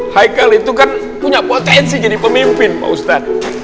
haikal itu kan punya potensi jadi pemimpin pak ustadz